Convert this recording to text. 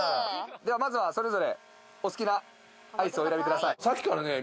ではまずはそれぞれお好きなアイスをお選びください。